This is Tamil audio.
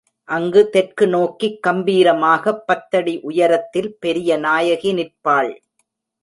அங்கு தெற்கு நோக்கிக் கம்பீரமாகப் பத்தடி உயரத்தில் பெரியநாயகி நிற்பாள்.